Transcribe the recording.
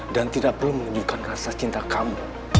dan tidak perlu menunjukkan rasa cinta kamu